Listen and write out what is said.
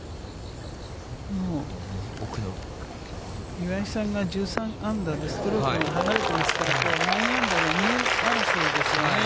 岩井さんが１３アンダーでストロークも離れてますから、９アンダーの２位争いですよね。